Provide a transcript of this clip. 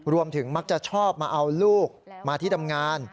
รวมถึงมักจะชอบมาเอาลูกมาที่ทำงาน